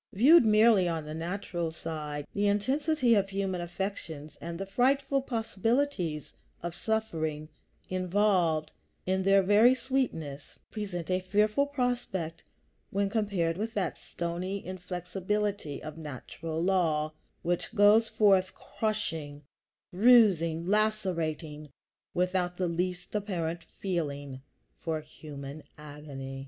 Viewed merely on the natural side, the intensity of human affections and the frightful possibilities of suffering involved in their very sweetness present a fearful prospect when compared with that stony inflexibility of natural law, which goes forth crushing, bruising, lacerating, without the least apparent feeling for human agony.